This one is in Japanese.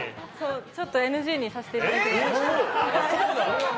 ちょっとＮＧにさせていただきます。